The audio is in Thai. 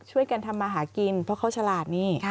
ช่วยกันทำมาหากินเพราะเขาฉลาดนี่